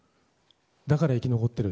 だから生き残ってる。